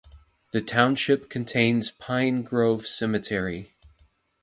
The township contains Pine Grove Cemetery.